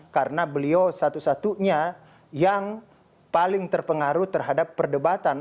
karena beliau satu satunya yang paling terpengaruh terhadap perdebatan